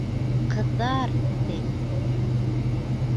Ҡыҙҙар, ти!